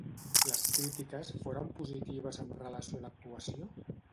Les crítiques foren positives amb relació a l'actuació?